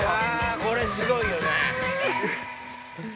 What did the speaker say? これすごいよね。